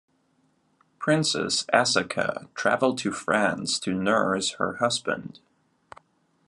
Princess Asaka traveled to France to nurse her husband.